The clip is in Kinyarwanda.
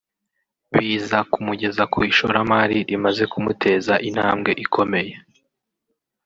biza kumugeza ku ishoramari rimaze kumuteza intambwe ikomeye